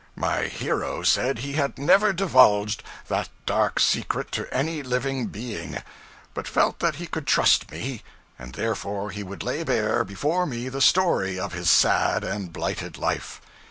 My hero said he had never divulged that dark secret to any living being; but felt that he could trust me, and therefore he would lay bare before me the story of his sad and blighted life.